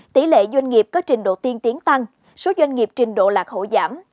tỷ lệ doanh nghiệp có trình độ tiên tiến tăng số doanh nghiệp trình độ lạc hậu giảm